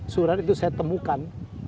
surat itu saya temukan